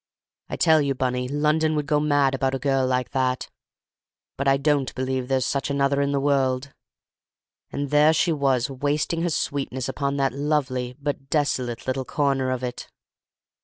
I tell you, Bunny, London would go mad about a girl like that. But I don't believe there's such another in the world. And there she was wasting her sweetness upon that lovely but desolate little corner of it!